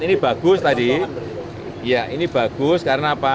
ini bagus tadi ya ini bagus karena apa